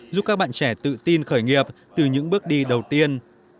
giúp các bạn trẻ tự tin khởi nghiệp từ những bước đi đầu tiên